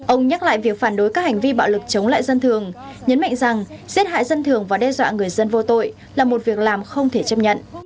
ông nhắc lại việc phản đối các hành vi bạo lực chống lại dân thường nhấn mạnh rằng giết hại dân thường và đe dọa người dân vô tội là một việc làm không thể chấp nhận